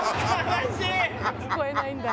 聞こえないんだ。